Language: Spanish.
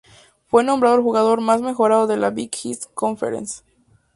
Fue nombrado el jugador más mejorado de la Big East Conference.